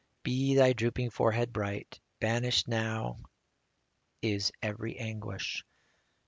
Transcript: Be thy drooping forehead bright ; Banished now is every anguish.